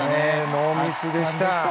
ノーミスでした。